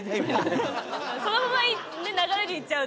そのまま流れでいっちゃうと。